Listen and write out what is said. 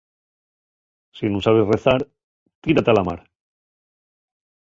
Si nun sabes rezar, tírate a la mar.